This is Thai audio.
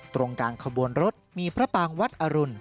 ตรงกลางขบวนรถมีพระปางวัดอรุณ